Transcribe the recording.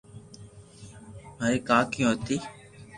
مري ڪاڪيو ھتي